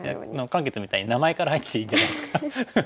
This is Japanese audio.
漢傑みたいに名前から入ってていいんじゃないですか。